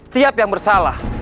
setiap yang bersalah